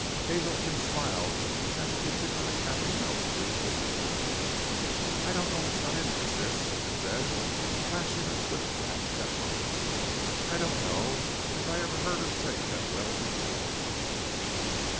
Hazelton smiled as a particularly happy note reached his ears. "I don't know what's got into Sis," he said, flashing a swift glance at Hollis. "I don't know as I ever heard her sing that well before."